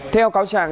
theo cáo trạng